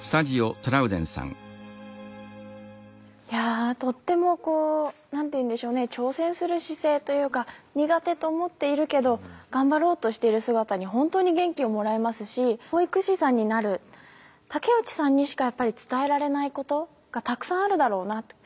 いやとってもこう何て言うんでしょうね挑戦する姿勢というか苦手と思っているけど頑張ろうとしている姿に本当に元気をもらえますし保育士さんになる竹内さんにしかやっぱり伝えられないことがたくさんあるだろうな。